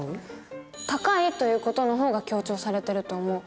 「高い」という事の方が強調されてると思う。